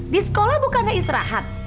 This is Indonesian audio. di sekolah bukannya istirahat